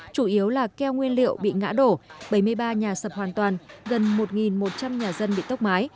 chủ yếu là keo nguyên liệu bị ngã đổ bảy mươi ba nhà sập hoàn toàn gần một một trăm linh nhà dân bị tốc mái